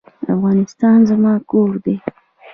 افغانستان زما کور دی؟